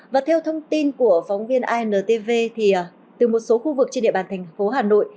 và theo thông tin của phóng viên intv thì từ một số khu vực trên địa bàn thành phố hà nội